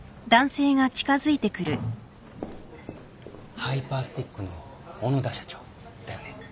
ハイパースティックの小野田社長だよね？